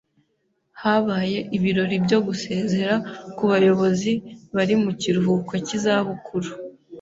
Habaye ibirori byo gusezera ku bayobozi bari mu kiruhuko cy'izabukuru.